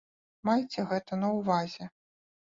Майце гэта на ўвазе.